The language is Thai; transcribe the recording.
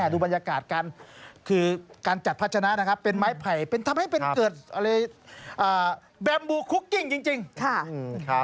ดูบรรยากาศการจัดพัจจณะเป็นไม้ไผ่ทำให้เกิดแบมบูลคุกกิ้งจริง